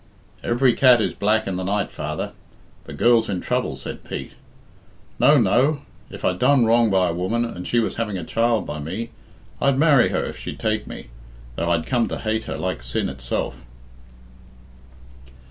"Every cat is black in the night, father the girl's in trouble," said Pete. "No, no! If I'd done wrong by a woman, and she was having a child by me, I'd marry her if she'd take me, though I'd come to hate her like sin itself."